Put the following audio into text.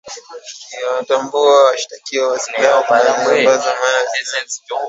iliwatambua washtakiwa na silaha zilizonaswa ambazo na mamia ya risasi